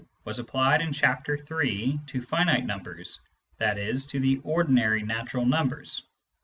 was applied in Chapter III. to finite numbers, i.e. to the ordinary natural numbers.